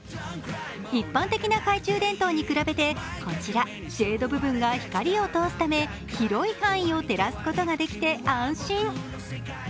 一般的な懐中電灯に比べてこちら、シェード部分が光を通すため広い範囲を照らすことができて安心。